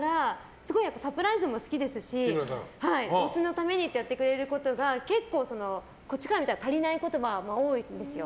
すごいサプライズも好きですしおうちのためにってやってくれることが結構こっちから見たら足りないことも多いんですよ。